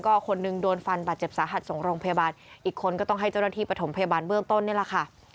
ก็คนหนึ่งโดนฟันบาดเจ็บสาหัสส่งโรงพยาบาลอีกคนก็ต้องให้เจ้าหน้าที่ประถมพยาบาลเบื้องต้นนี่แหละค่ะ